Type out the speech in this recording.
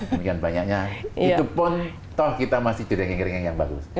demikian banyaknya itu pun toh kita masih jering jering yang bagus